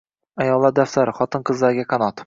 “Ayollar daftari” – xotin-qizlarga qanotng